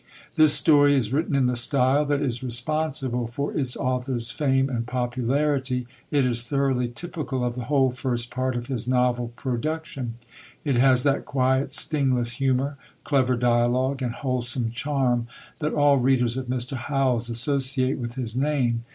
This story is written in the style that is responsible for its author's fame and popularity; it is thoroughly typical of the whole first part of his novel production. It has that quiet stingless humour, clever dialogue, and wholesome charm, that all readers of Mr. Howells associate with his name.